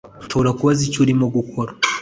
Nshobora kubaza icyo urimo gukora